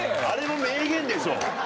あれも名言でしょ！